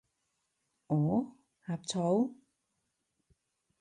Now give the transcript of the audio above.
我？呷醋？